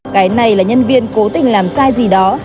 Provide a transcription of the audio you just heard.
cái này là nhân viên cố tình làm sai gì đó